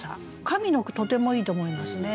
上の句とてもいいと思いますね。